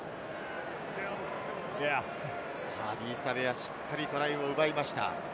アーディー・サヴェア、しっかりトライを奪いました。